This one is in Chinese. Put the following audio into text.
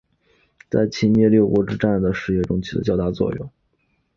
在秦灭六国之战的事业中起了较大作用。